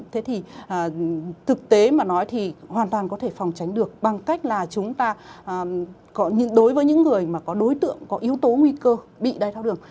thế thì thực tế mà nói thì hoàn toàn có thể phòng tránh được bằng cách là chúng ta đối với những người mà có đối tượng có yếu tố nguy cơ bị đai thao đường